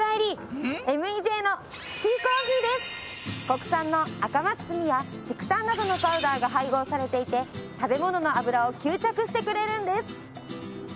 国産の赤松炭や竹炭などのパウダーが配合されていて食べ物の油を吸着してくれるんです。